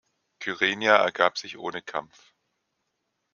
Kyrenia ergab sich ohne Kampf.